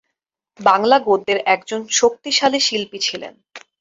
বাংলা গদ্যের একজন শক্তিশালী শিল্পী ছিলেন।